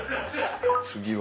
次は？